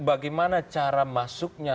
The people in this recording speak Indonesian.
bagaimana cara masuknya